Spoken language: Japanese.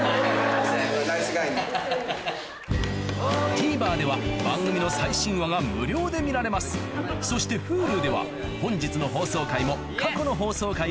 ＴＶｅｒでは番組の最新話が無料で見られますそしてＨｕｌｕでは本日の放送回も過去の放送回もいつでもどこでも見られます